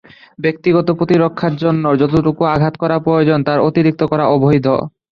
ব্যক্তিগত প্রতিরক্ষার জন্য যতটুকু আঘাত করা প্রয়োজন, তার অতিরিক্ত করা অবৈধ।